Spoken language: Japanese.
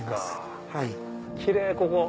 キレイここ。